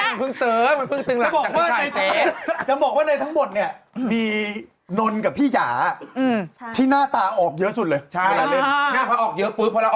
อะไรนะครับหน้าหนูก็จะนิ่งอย่างนี้หรือเปล่าอะไรนะครับหน้าหนูก็จะนิ่งอย่างนี้หรือเปล่า